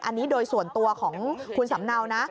อันนี้โดยส่วนตัวของคุณสำเนานะ